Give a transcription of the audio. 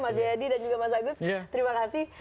mas jayadi dan juga mas agus terima kasih